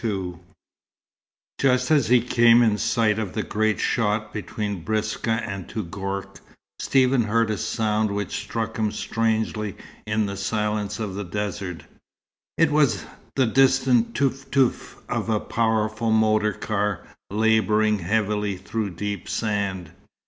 XLII Just as he came in sight of the great chott between Biskra and Touggourt, Stephen heard a sound which struck him strangely in the silence of the desert. It was the distant teuf teuf of a powerful motor car, labouring heavily through deep sand.